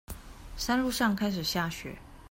山路上開始下雪